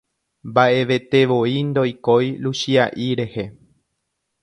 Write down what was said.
mba'evetevoi ndoikói Luchia'i rehe.